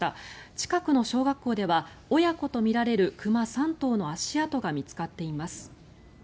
近くの小学校では親子とみられる熊３頭の足跡が見つかっています。